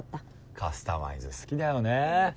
カスタマイズ好きだよね。